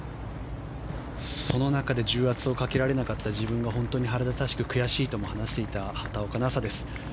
その中で重圧をかけられなかった自分が本当に腹立たしく悔しいとも話していた畑岡奈紗です。